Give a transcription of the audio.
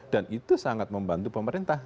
dan itu sangat membantu pemerintah